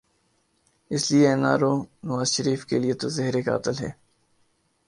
اس لیے N R O Nawaz Sharif کیلئے تو زہر قاتل ہے۔